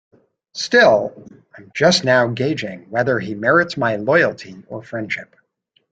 Still, I'm just now gauging whether he merits my loyalty or friendship.